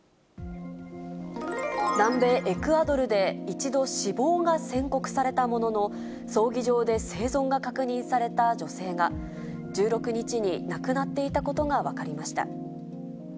南米エクアドルで、一度死亡が宣告されたものの、葬儀場で生存が確認された女性が、１６日に亡くなっていたことが分かりました。